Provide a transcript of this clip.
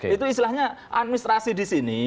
itu istilahnya administrasi di sini